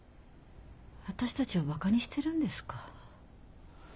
私たちをバカにしてるんですか？